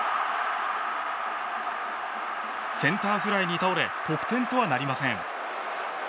センターフライに倒れ得点とはなりません。